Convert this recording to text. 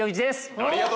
ありがとう！